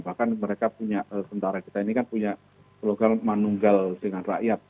bahkan mereka punya tentara kita ini kan punya program manunggal dengan rakyat